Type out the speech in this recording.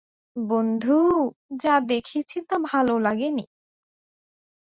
বন্ধু, যা দেখেছি তা ভালো লাগেনি।